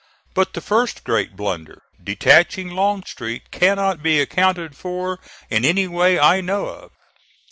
But the first great blunder, detaching Longstreet, cannot be accounted for in any way I know of.